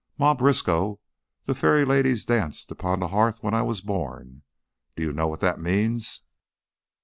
Ma Briskow, the fairy ladies danced upon the hearth when I was born. Do you know what that means?"